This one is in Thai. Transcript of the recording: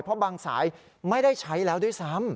เพราะบางสายไม่ได้ใช้แล้วด้วยซ้ำ